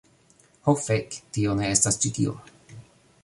Ho, fek', tio ne estas ĉi tio.